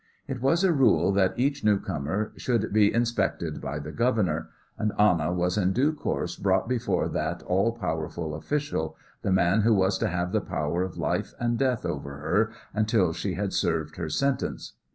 It was a rule that each new comer should be inspected by the governor, and Anna was in due course brought before that all powerful official, the man who was to have the power of life and death over her until she had served her sentence.